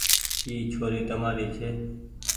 اي ڇوري تمآري ڇي۔